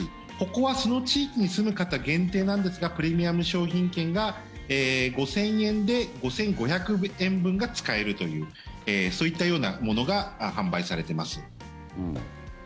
ここはその地域に住む方限定なんですがプレミアム商品券が５０００円で５５００円分が使えるというそういったようなものが販売されてます。